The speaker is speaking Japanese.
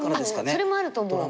それもあると思う。